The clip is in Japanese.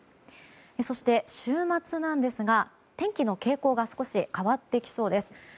そして、週末なんですが気温の傾向が少し変わってきそうです。